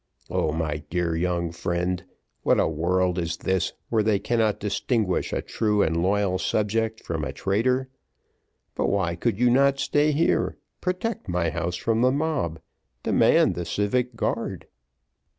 "Oh! my dear young friend, what a world is this, where they cannot distinguish a true and a loyal subject from a traitor. But why could you not stay here, protect my house from the mob, demand the civic guard."